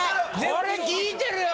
これ効いてるよ